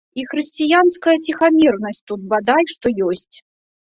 І хрысціянская ціхамірнасць тут бадай што ёсць.